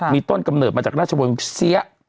มีต้นกำเนิดมาจากราชวงศ์เสีย